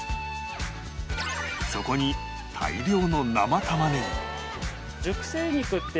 そこに大量の生玉ねぎ